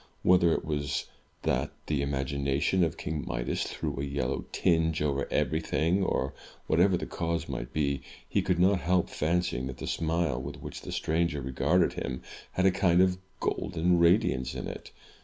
Whether it was that the imagination of King Midas threw a yellow tinge over everything, or whatever the cause might be, he could not help fancying that the smile with which the stranger regarded him had a kind of golden radiance in it.